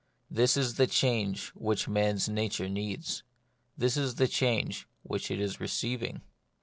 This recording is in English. This is the change which man's nature needs : this is the change which it is receiving.